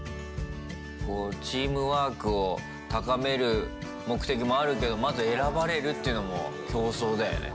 チームワークを高める目的もあるけど、まず選ばれるっていうのも競争だよね。